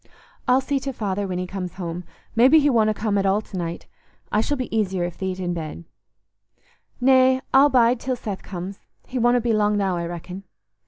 "I'll see to Father when he comes home; maybe he wonna come at all to night. I shall be easier if thee't i' bed." "Nay, I'll bide till Seth comes. He wonna be long now, I reckon."